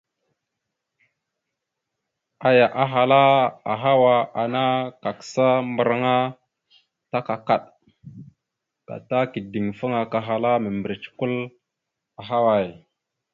Aya ahala: « Ahawa ana kakǝsa mbarǝŋa ta kakaɗ, gata kideŋfaŋa kahala mimbirec kwal ahaway? ».